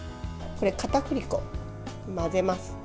かたくり粉に混ぜます。